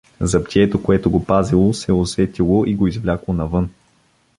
Заптието, което го пазело, се усетило и го извлякло нанавън.